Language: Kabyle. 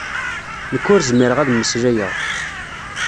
Nekk ur zmireɣ ara ad mmeslayeɣ.